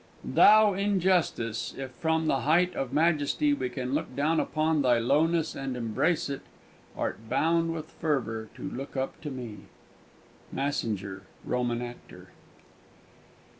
"Thou in justice, If from the height of majesty we can Look down upon thy lowness and embrace it, Art bound with fervour to look up to me." MASSINGER, _Roman Actor.